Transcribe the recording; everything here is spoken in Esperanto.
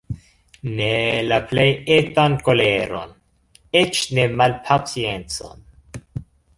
Ne la plej etan koleron, eĉ ne malpaciencon.